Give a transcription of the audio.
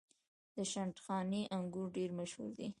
د شندخاني انګور ډیر مشهور دي.